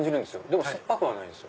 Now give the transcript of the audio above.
でも酸っぱくはないです。